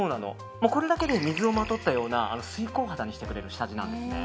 これだけで水をまとったような水光肌にしてくれる下地なんです。